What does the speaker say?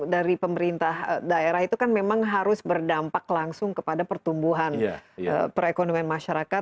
dari pemerintah daerah itu kan memang harus berdampak langsung kepada pertumbuhan perekonomian masyarakat